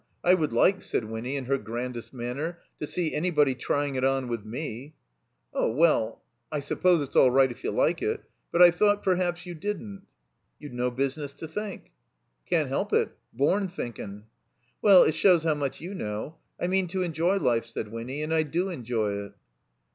I would like," said Winny, in her grandest manner, "to see anybody trying it on with f«^." "Oh, well, I suppose it's all right if you like it. But I thought — ^perhaps — ^you didn't." 6s THE COMBINED MAZE ''You'd no business to think." ''Can't help it. Bom thinkin'." "Well — ^it shows how much you know. I mean to enjoy life," said Winny. "And I do enjoy it."